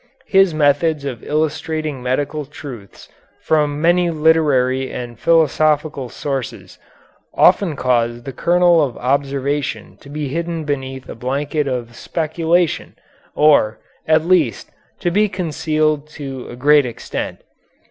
His methods of illustrating medical truths from many literary and philosophical sources often caused the kernel of observation to be hidden beneath a blanket of speculation or, at least, to be concealed to a great extent.